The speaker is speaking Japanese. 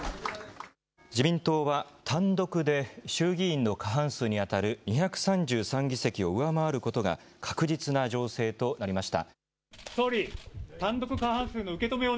自民党は単独で、衆議院の過半数に当たる２３３議席を上回ることが確実な情勢となりました。